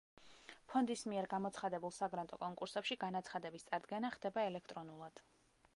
ფონდის მიერ გამოცხადებულ საგრანტო კონკურსებში განაცხადების წარდგენა ხდება ელექტრონულად.